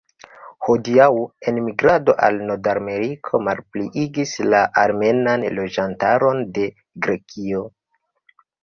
Hodiaŭ, enmigrado al Nordameriko malpliigis la armenan loĝantaron de Grekio.